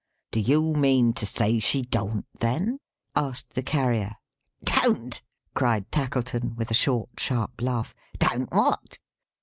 "Do you mean to say she don't, then?" asked the Carrier. "Don't!" cried Tackleton, with a short, sharp laugh. "Don't what?"